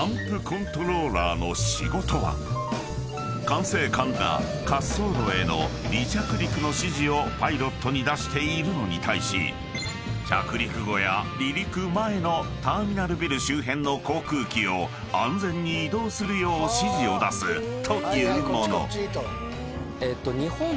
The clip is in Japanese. ［管制官が滑走路への離着陸の指示をパイロットに出しているのに対し着陸後や離陸前のターミナルビル周辺の航空機を安全に移動するよう指示を出すというもの］